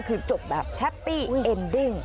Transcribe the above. คือจบแบบแฮปปี้เอ็นดิ้ง